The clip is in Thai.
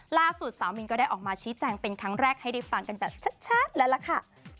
ล่าสุดสาวมินก็ได้ออกมาชี้แจงเป็นครั้งแรกให้ได้ฟังกันแบบชัดแล้วล่ะค่ะ